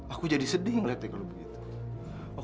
aku jadi sedih ngeliat teklon begitu